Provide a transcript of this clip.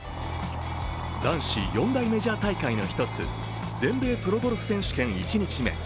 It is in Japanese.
男子四大メジャー大会の一つ全米プロゴルフ選手権１日目